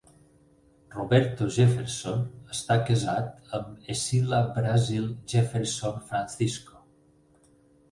Roberto Jefferson està casat amb Ecila Brasil Jefferson Francisco.